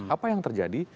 apa yang terjadi